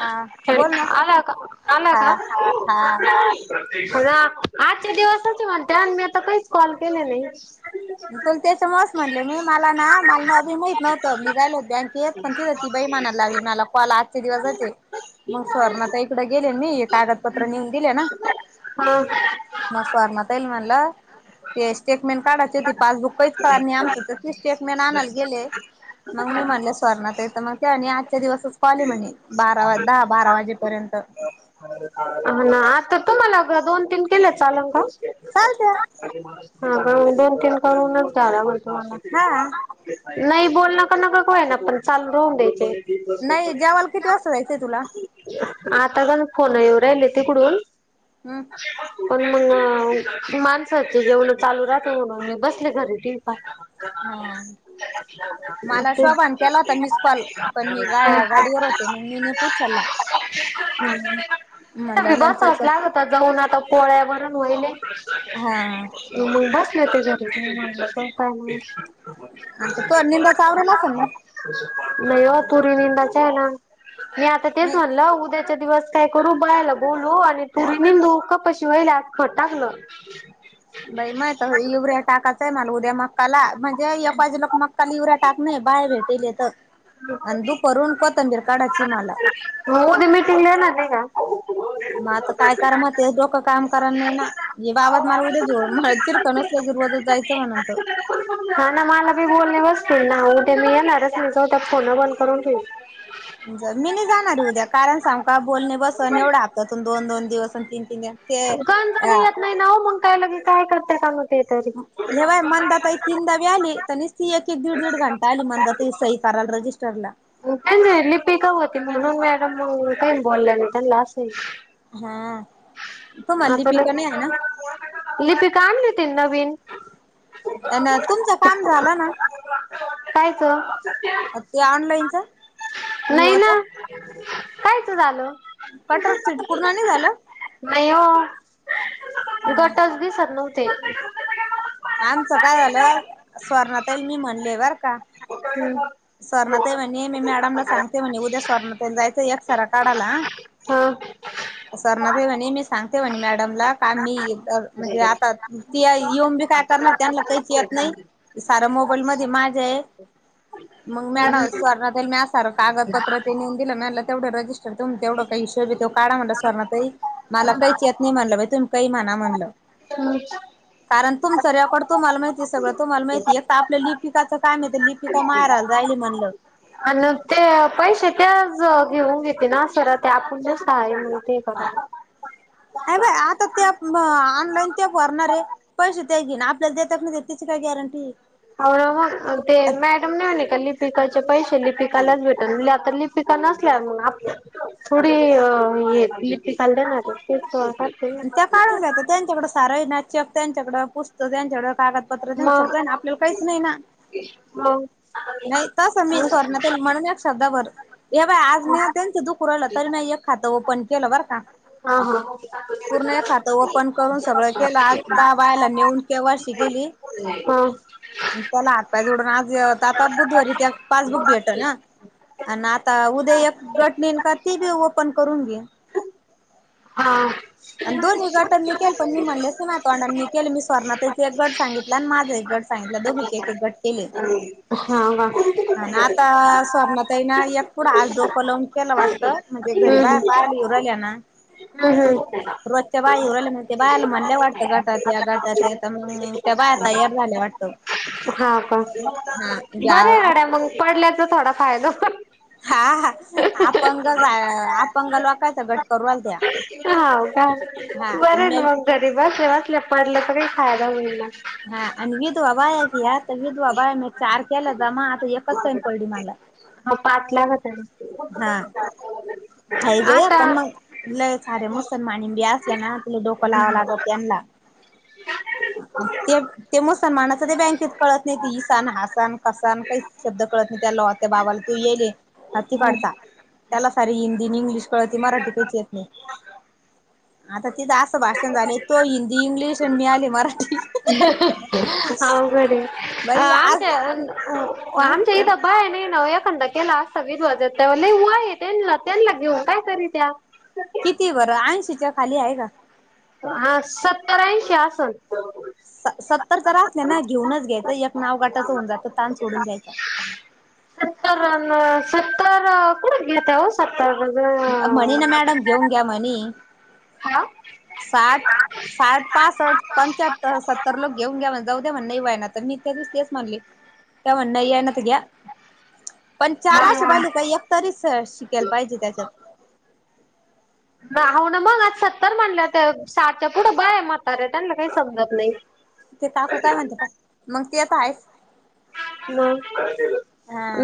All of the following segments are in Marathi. हा बोल ना आला का आला हा का? हा आजच्या दिवसच निवांतय आण मी आता काहीच कॉल केले नाही... त त्याच्यामुळेच म्हणले मी मला ना मला ना अभी माहित नव्हतं मी जायल होत बँकेत.... पण ती बाई म्हणायला लागली मला कॉल आ..... दिवसाचे मग सर नाता इकडे गेले मी कागदपत्र नेऊन दिले ना.... हा मग सुवर्णा ताई ना म्हणल ते स्टेटमेंट काढा.... तेच ते पासबुक काहीच कळलं नाही आमच तर तेच स्टेटमेंट आणायला गेले मग मी म्हणलं.... सुवर्णा ताई तर म्हणते आणि आजच्या दिवसच कॉल आहे म्हणे बारा दहा बारा वाजेपर्यंत.... हा ना आता तुम्हाला दोन तीन केले चालल का? चालतया.... हा पण म दोन तीन करूनच झाला म्हण हा तुम्हाला... नाही बोलण का होईना पण चालू रहून द्यायचे... नाही जेवाला किती वाजता जायचंय तुला.... आता पण फोन येऊ राहिले तिकडून... हम्.... पण मग माणसाच जेवण चालू राहत म्हणून म बसले घरी टीव्ही पाहत..... हा मला शोभान पाहत केला होता मिस कॉल पण मी.... हा गाडीवर होते मग मी नाही उच्चला... हम्.... विभस नंतर कर असलाच होता जाऊन आता पोळ्याभरून व्हायलेत..... हा हम बसलेत त्याच्यातच आण मी..... आता तो निंदाच आवरेल असेल ना? नाही हो पुरी दि बच आहे ना.... मी आता तेच म्हलं उद्याच्या दिवस काय करू भैय्या बोलू आणि तुरी निंदू कपशी... शिवायला आत टाकलं बाई मायत इवऱ्या टाकायचंय मला उद्या मक्काला म्हणजे एका जे लोक मक्काला येऊ राय टाक नाही बायां भेटेलेत आणि दुपारून कोतंबीर काढाची मला म उदया मीटिंग ला येणार नाही का? म आता काय करामांते डोकं काम करा नाय ना ये बाबा त मला उद्या जोड म चिरकण नसलं की रोजच जायचं म्हणत हा ना मला बी बोलणे बसत ना उद्या मी येणार नाय जाऊद्या फोन बंद करून ठेवीण. मी नय जाणार ये उद्या कारण सांगू कां बोलणे बसन एवढा हप्त्यातून दोन दोन दिवस आणि तीन तीन द गणजाणी येत नाय ना ओ मंग काय लंगी की काय करताय काम हे बाय मंदाताई तीनदाबी आली त नि ती एक एक दीड दीड घंटा आली मंदाताई सही कराला रजिस्टरला का नाय लिपिका होती म्हणून मॅडम काही बोलल्या नाही त्यांना असय हा तुम्हला लिपिका नाय हाय ना लिपीका आणली होती नवीन अनं तुमचं काम झालं ना [inaudible] ते ऑनलाइनच नाही विवच ना कायच झाल कटर चिडकुडून नाय नी झालं नाही हो गटच दिसत नव्हते. आमचं काय झालं स्वर्णा ताईला मी म्हणले बर का [inaudible] स्वर्णा ताई म्हणे मी मॅडमला सांगते म्हणे उद्या स्वर्णा ताईला जायचं एक्सरा काढाला हा सुवर्णाताई म्हणे मी सांगते म्हणे मॅडमला का मी म्हणजे आता ती येऊन बी काय करणार त्यांना काहीच येत नाही की सार मोबाईल मध्ये माझ्या य. मंग मॅडम हम्म स्वर्णा ताईला मी आज सार कागदपत्र ते नेऊन दिलं मी म्हणलं तेवढे रजिस् तुम तेवढा काय हिशोब हाय त्यो काढा म्हटलं स्वर्णा ताई मला कहीच यत नही म्हणलं बाई तुम्ही कही म्हणा म्हणलं कारण तुम तुमचा रेकॉर्ड तुम्हाला माहितीय सगळं तुम्हाला माहितीय एक त आपल्या लिपिकाचं कामं ये ते लिपिका मायराला जायली म्हणलं आणि ते पैसे तेज घेऊन घे ते ना सरळ ते आपूण ना शाळे म्हण ते करा अ बे आता त्या मं ऑनलाईन त्या भरणार ये. पैसे त्या घेईन आपल्याला देत्यात नाय देत त्याची काय गॅरंटीये अ हं ते मॅडम नाय म्हणली काय लिपिकाचे पैसे लिपिकालाच भेटनं म्हणलं आता लिप पिकां नसल्या मग आप थोडी हे लिपिकाल देणार ते त्या काढून घेतात त्यांच्याकडं सार हाय ना चेक त्यांच्याकडं पुस्त कं त्यांच्याकड कागदपत्र त्यांनं सगळं हाय ना आपल्याला काहीच नाही ना मंग नाही तस मी स्वर्णाताई म्हणल एक शब्दभर हे बाय आज म्या त्यांचं दुखू रायलं तरी म्या एक खातं ओपन केलं बरं का. हा हा पूर्ण एक खात ओपन करून सगळं केलं आज दहा बायला नेऊन के वाय सी केली. त्याला हातपाय जोडून आज तात ताक बुधवारी त्या पासबुक भेटनं हा आनं आता उद्या एक गट नेईन का ते बी ओपन करून घेईन. हा आणि दोन्ही गटांनी मी केले पण मी म्हणले असते ना माया तोंडाणी मी केले मी स्वर्णा ताईचा एक गट सांगित ला आणि माझ एक गट सांगितला दोघीचे एक एक गट केले. हा कां हा ना आता स्वर्णा ताई ना एक पुढं आज डोकं लावून केलं वाटतं म्हणजे घरी हम्म बाया पहायला येऊनं पुराल ना हम्म हम्म [inaudible] [unintelligible] रोजच्या बाई [unintelligible] म्हणल्या वाटतं गटात या गटात तर मग त्या बाया तयार झाल्या वाटतं! ! ! हा का बर या गड्या मग पडल्याचा थोडा फायदा पण! ! ! हा हा अपंग अपंग लोकायचं गट करू राहिल्या त्या हा का हा आणि बरं न मी मग! ! ! घरी बसल्या बसल्या पडल्याचा तर काही फायदा होईल ना! ! ! हा आणि विधवा बाया की या तर विधवा बाया म चार केला जमा आता एकच कमी पडली मला! ! हा पाच लागत्या! ! ! हा! ! ! हा ग पण आता मग ल सारे मुसलमानी बी असल्या ना तिला डोकं लावं लागत! ! ! त्यांना ह [unintelligible] अ ते ते मुसलमानाच ते बँकेत कळत नाही ते ईसा अन् हसा न कसा काही शब्द कळत नाही त्या त्या बाबाला! ते येइल! तिकडचा त्याला सार हिंदी इंग्लिश कळते मराठी काहीच येत नाही! आता तिथं असं भाषण झाले तो हिंदी इंग्लिश आणि मी आले मराठी! ! अवघडये बाई आज आमच्या अं आमच्या इद बाया नाही नावो एखादा केला असता विधवा [unintelligible] लई वय ये त्यांना त्यांना घेऊ काय करी त्या कितीतये बरं ऐंशीच्या खाली आहे का! ! हा सत्तर-ऐंशी असल! ! ! सत्तर तर असले ना घेऊनच घ्यायचं एक नाव गटाचं होऊन जातं ताण सोडून द्यायचा! सतारन सत्तार कुड घेतव [unintelligible] ग्या मणी हा! साठ! ! साठ पासठ पंच्याहत्तर सत्तर लोक घेऊन घ्या म्हण जाऊ द्या म्हण [inaudible] मी त्या दिस तेच म्हणली त्या म्हण नाही ना त घ्या पण चार असे पाहिजे काही एक तरी सर शिकेल पाहिजे त्याच्यात हो ना मग आज सत्तर म्हटलं तर साठच्या पुढं बाया म्हाताऱ्या त्यांना काही समजत नाही ते काकू काय म्हणत्या पाय ते त आहेच म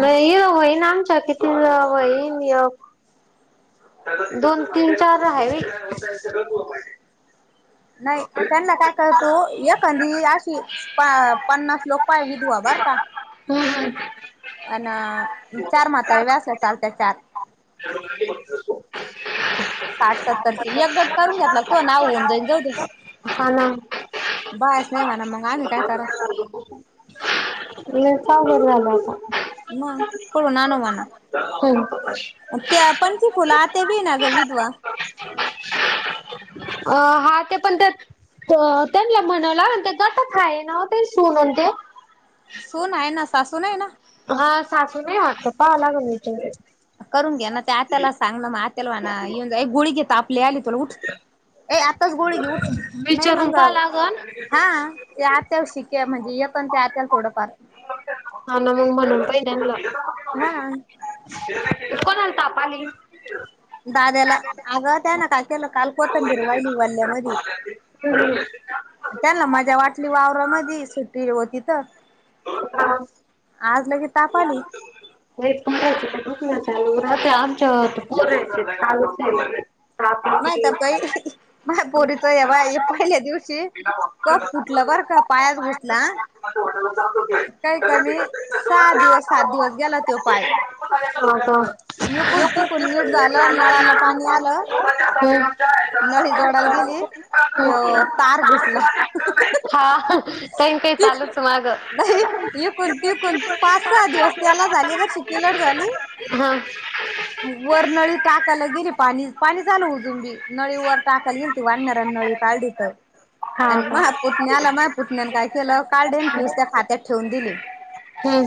म ये वहीन आमच्या किती वहीन एक दोन तीन चार आहे! ! नाही त्यांना काय कळत तू एखादी अशी पन्नास लोक पाय विधवा बर का! ! हम्म हम्? ! ! ! अ चार म्हातारी पण असल्यावर चालत चार [inaudible] साठ सत्तर च एक गट करून घेतला तुय्या नावंर होऊन जान जाऊ दे हा ना. बयस नाही म्हणा मग आम्ही काय करा [inaudible] म का परला मग कुडून आणू म्हणा [unintelligible] [inaudible] त्या पणखी फुलं आत्या बी ना ग विधवा! ! ! अ हा ते! ! ! पण त्या त्यांला म्हणावला ते गटात हाय ना सून न ते सून आहे ना सासूू नाही ना! ! ! हा सासू नाही वाटत पहावा लागेल विचारून करून घ्या ना त्या आत्याला सांग मग आत्याला म्हणा येऊन जा एक गोळी घे ताप लय आला तुला उठ ए आताच गोळी घेऊठ नाही विचारून मग पाहावं लागल. हा ते आत्याला शिके म्हणजे येतन त्या आत्याला थोडंफार हा ना मग म्हणून [unintelligible] पाहि नला हा. कोणाला ताप आली. दाद्याला अग त्यान का केलं काल कोथंबीर वाहिली वल्ल्यामध्ये. हम् [inaudible] त्यांला मजा वाटली वावरामध्ये सुट्टी होती तर हा [unintelligible] आज लगे ताप आली. [unintelligible] आमच्या नाय तर बाई, माया पोरीचा हे पहा पहिल्या दिवशी कप फुटलं चालू बर का पायात घुसला काही कमी सहा दिवस सात दिवस गेला तो पाय. हो इकून तिकून का नीट झालं नळाला [inaudible] पाणी आलं [inaudible] नळी जोडायला हा गेली काहीन तो तार घुसला काही चालूच ती [inaudible] नाही तमाझ इकून तिकून पाच [inaudible] सहा दिवस त्याला झाली ना सुट्टी ला झाली. हा. वर नळी टाकायला गेली, पाणी पाणी चालू अजून बी. नळी वर टाकाय गेलती वाणाऱ्याने नळी काढली तर हा आणि का म्हाया पुतण्या अला म्हाया पुतण्यान काय केलं काढले, दुसऱ्या खात्यात ठेवून दिले. हम.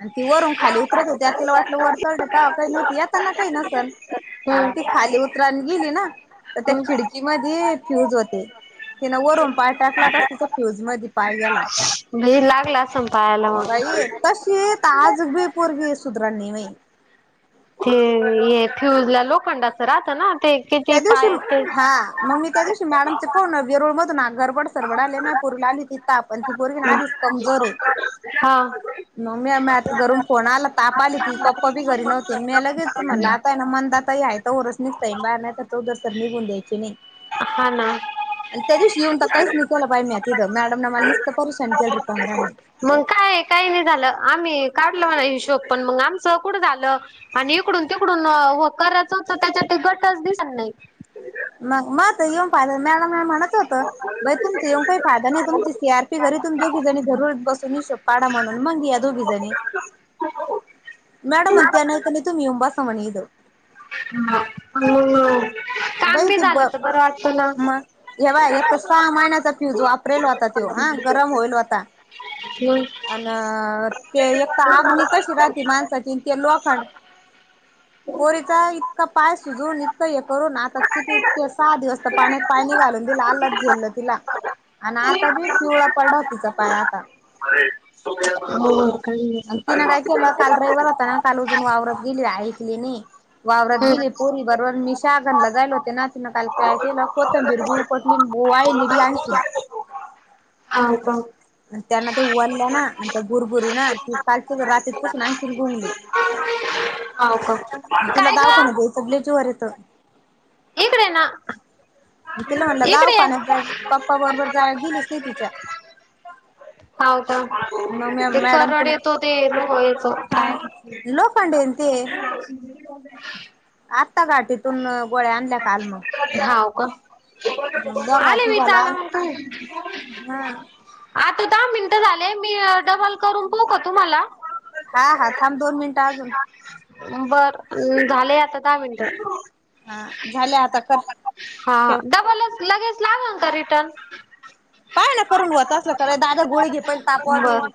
आणि ती वरून खाली उतरत होती तिला वाटलं वर चढली तेव्हा काही नव्हती येताना काही नसल. ते हम्म खाली उतयला गेली ना, तर त्या खिडकी मधे फ्यूज होते तिने वरून पाय टाकला तसा तिचा रोज क्रुज मध्ये पाय गेला. लय लागला असन पायाला मग. ते आज बी पोरगी सुधारणा नाय ते हे फ्युज ला लोखंडाचं राहत ना ते त्या किती दिवशी, पाय ते हा मग मी त्या दिवशी मॅडमच को ना वेरुळ [unintelligible] मधून ना घरबड सरवडाले पोरीला आली होती ताप अन ती पोरवी आधीच कमजोर आहे. हा. मग मी म आता घरून फोन आला ताप आली ती पप्पा बी घरी नव्हते मी लगेच म्हटलं आता ना मंदातई आहे. तवरच निघता येई बाहेर नाही तर तो जाऊस तर निघून द्यायचे नाही. हा ना आणि त्या दिवशी येऊन तर काहीच नाही केलं बाई म्या तिथं मॅडम न मला नीसत परेशान केलं रिकाम्या राणी. मग काय काही नाही झालं आम्ही काढलं म्हणा हिशोब पण मग आमचं कुठं झालं. आणि इकडून तिकडून व करायचं होत त्याच्या ते गटच दिसत नाही. मायकडे येऊन पाहिलं मॅडम म्हनायच होत. बाई तुमचं येऊ काही फायदा नाही तुमची सी आरपी घरी तुमी दोघी जणी घरी बसू शकतो. पाडा म्हणून मग या दोघीजणी [inaudible] मॅडम म्हणत्यान नाहीतर तुम्ही येऊन बसा म्हणे इथं. ह म [inaudible] काम बाई बी ते ब झालं तर बरं वा मग हेपाय एक तर सहा महिन्याचा फ्यूज वाप्रेल होता तो हा गरम होईल होता. [inaudible] अन् ते एक तर आग्नी कशी राहते माणसाची ते लोखंड. पोरीचा इतका पाय सुजवून इतकं हे करून आता किती सहा दिवस पाण्यात पाणी घालून दिलं आलाद झेललं तिला आणि आता जे पिवळा पडला तिचा पाय आता. अ [inaudible] अ... तिनं काय केलं... काल रविवार होता ना... काल उजून वावरात गेली... ऐकली नई, वावरात हम्म. गेली पोरी बरोबर मी शागणला जायला होते ना... तिनं काल काय केलं... कोथंबीर बी उपटली नी वायली बी आणखी हा का? आणि त्यांना ते वल्ल्या ना आणि त्या बुरबुरी ना... ती काल ती... रातीत पासून आणखीन गुंगली [inaudible] का अन तिला काय ग दावखान्यात यायचं लई जीवावर येतं तिकडे ना तिला म्हणलं... इकडे ये दवाखान्यात जाय... पप्पा बरोबर जाय... गेलीच नाय तिच्या मग म [unintelligible] ते मॅडम कराड कोण येतो ते... याच... काय पंडेन ते [inaudible] आत्ता घाटीतून... गोळ्या आणल्या काल मग हाव का... मग दोघा आले मी.. तिघाला चाला.... मग तुम्ही हा आता दहा मिनटं झाले... मी डबल करून पाहू का तुम्हाला? हा हा... थांब दोन मिनिटं अजून बर... झालंय आता... दहा मिनिटं हा... झाले आता कर हा... ठेव डबलच... लगेच लागल का रिटर्न? पाय ना करून व्हत असलं तर... ए... दादा गोळी घे पहिली ताप वाटू राहली बर